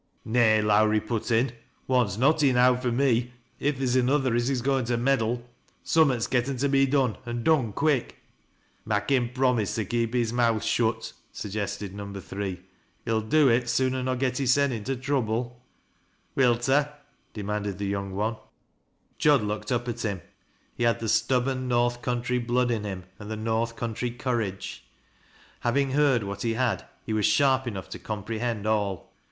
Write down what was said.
" Nay," Lowrie put in ;" one's not enow fur me, if theer's another as is goin' to meddle. Summat's ^ttea to be done, an' done quick." "Mak' him promise to keep his rioutb shut," sn^ SAMUfi GMADDOOK'S "^ MAJfNT ENBIS." 185 gested No. 3. "He'll do it sooner nor get hisaen into trouble." " Wilt ta ?" demanded the young one. Jud looked up at him. Pie had the stubborn North coun try blood in him, and the North country courage. Having lieard what he had, he was sharp enough tc comprehend all.